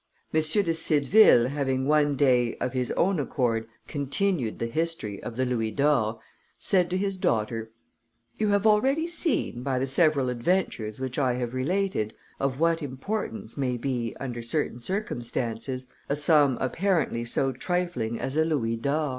de Cideville having one day, of his own accord, continued the history of the louis d'or, said to his daughter, You have already seen, by the several adventures which I have related, of what importance may be, under certain circumstances, a sum apparently so trifling as a louis d'or.